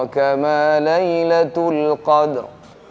kamal laylatul qadr